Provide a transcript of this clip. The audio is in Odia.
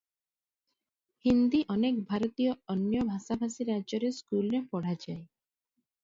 ହିନ୍ଦୀ ଅନେକ ଭାରତୀୟ ଅନ୍ୟ ଭାଷାଭାଷୀ ରାଜ୍ୟରେ ସ୍କୁଲରେ ପଢ଼ାଯାଏ ।